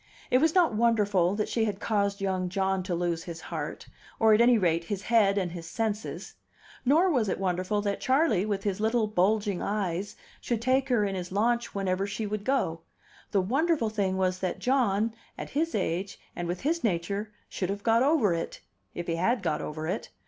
It was not wonderful that she had caused young John to lose his heart, or, at any rate, his head and his senses; nor was it wonderful that Charley, with his little bulging eyes, should take her in his launch whenever she would go; the wonderful thing was that John, at his age and with his nature, should have got over it if he had got over it!